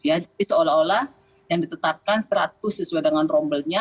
seolah olah yang ditetapkan seratus sesuai dengan rombelnya